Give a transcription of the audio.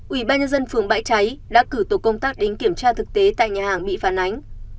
ủy ban nhân dân phường bãi cháy đã cử tổ công tác đến kiểm tra thực tế tại nhà hàng bị phản ánh